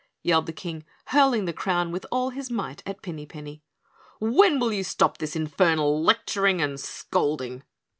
yelled the King, hurling the crown with all his might at Pinny Penny. "When will you stop this infernal lecturing and scolding?"